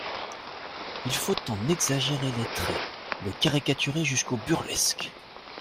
Il faut en exagérer les traits, le caricaturer jusqu’au burlesque.